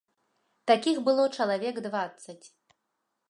Такіх было чалавек дваццаць.